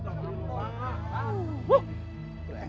jangan jangan jangan